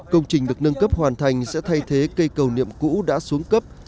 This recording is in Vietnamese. công trình được nâng cấp hoàn thành sẽ thay thế cây cầu niệm cũ đã xuống cấp